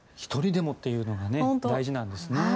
１人でもというのが大事なんですね。